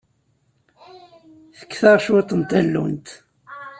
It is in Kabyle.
Fket-aɣ cwiṭ n tallunt.